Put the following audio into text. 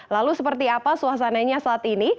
lalu seperti apa suasananya saat ini